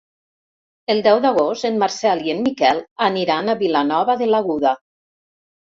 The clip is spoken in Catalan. El deu d'agost en Marcel i en Miquel aniran a Vilanova de l'Aguda.